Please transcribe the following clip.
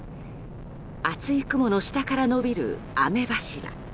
厚い雲の下から延びる雨柱。